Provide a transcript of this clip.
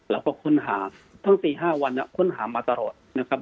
แล้วก็ค้นหาทั้งตี๕วันค้นหามาตลอดนะครับ